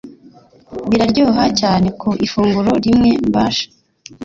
biraryoha cyane Ku ifunguro rimwe mbasha